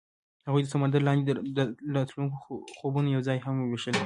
هغوی د سمندر لاندې د راتلونکي خوبونه یوځای هم وویشل.